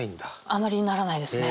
あまりならないですね。